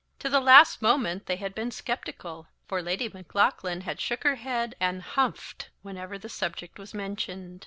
To the last moment they had been sceptical, for Lady Maclaughlan had shook her head and humphed whenever the subject was mentioned.